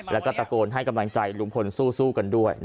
แล้วก็ตะโกนให้กำลังใจลุงพลสู้กันด้วย